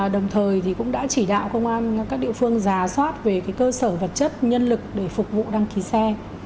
đồng thời cũng đã chỉ đạo công an các địa phương giả soát về cơ sở vật chất nhân lực để phục vụ đăng ký xe